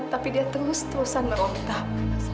tapi dia terus terusan merontak